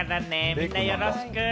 みんなよろしく。